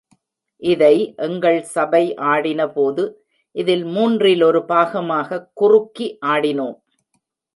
இதை எங்கள் சபை ஆடின போது, இதில் மூன்றிலொரு பாகமாகக் குறுக்கி ஆடினோம்.